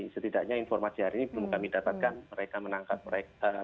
setidaknya informasi hari ini belum kami dapatkan mereka menangkap mereka